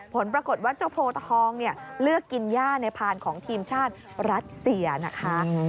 ผลปรากฏว่าเจ้าโพทองเลือกกินย่าในพานของทีมชาติรัสเซียนะคะ